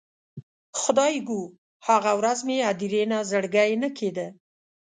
خدایږو، هغه ورځ مې هدیرې نه زړګی نه کیده